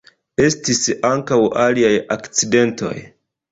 Estis ankaŭ aliaj akcidentoj.